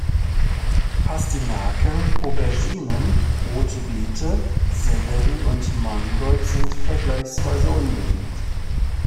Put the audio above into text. Pastinaken, Auberginen, rote Beete, Sellerie und Mangold sind vergleichsweise unbeliebt.